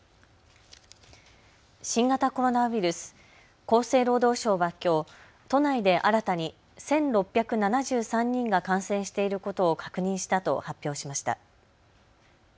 新型コロナウイルス、厚生労働省はきょう都内で新たに１６７３人が感染していることを確認したと発表しました。